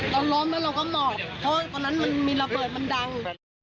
เราล้มแล้วเราก็หมอบเพราะตอนนั้นมันมีระเบิดมันดัง